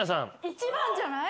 １番じゃない？